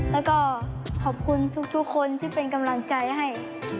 แล้วก็ขอบคุณทุกคนที่เป็นกำลังใจให้